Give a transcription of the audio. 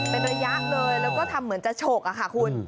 เป็นระยะเลยแล้วก็ทำเหมือนจะฉกค่ะคุณ